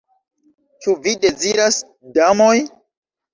Ĉu vi deziras, damoj?